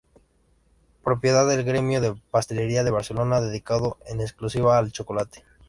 Propiedad del Gremio de Pastelería de Barcelona dedicado en exclusiva al chocolate.